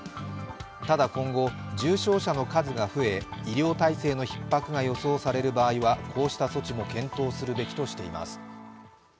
ただ今後、重症者の数が増え、医療体制のひっ迫が予想される場合はこうした措置も検討するべきとしています。